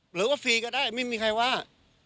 หรือว่าฟรีก็ได้ไม่มีใครว่า